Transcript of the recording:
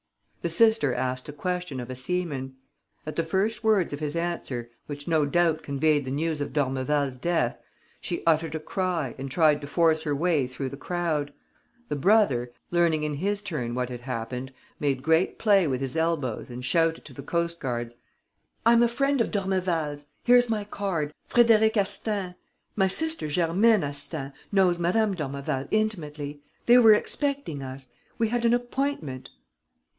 The sister asked a question of a seaman. At the first words of his answer, which no doubt conveyed the news of d'Ormeval's death, she uttered a cry and tried to force her way through the crowd. The brother, learning in his turn what had happened, made great play with his elbows and shouted to the coast guards: "I'm a friend of d'Ormeval's!... Here's my card! Frédéric Astaing.... My sister, Germaine Astaing, knows Madame d'Ormeval intimately!... They were expecting us.... We had an appointment!..."